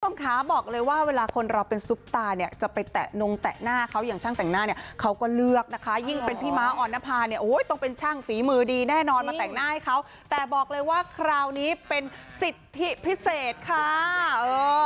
คุณผู้ชมคะบอกเลยว่าเวลาคนเราเป็นซุปตาเนี่ยจะไปแตะนงแตะหน้าเขาอย่างช่างแต่งหน้าเนี่ยเขาก็เลือกนะคะยิ่งเป็นพี่ม้าออนภาเนี่ยโอ้ยต้องเป็นช่างฝีมือดีแน่นอนมาแต่งหน้าให้เขาแต่บอกเลยว่าคราวนี้เป็นสิทธิพิเศษค่ะ